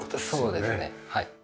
そうですねはい。